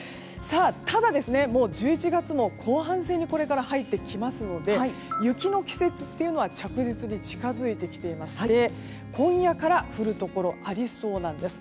ただ、もう１１月も後半戦にこれから入ってきますので雪の季節というのは着実に近づいていて今夜から降るところありそうなんです。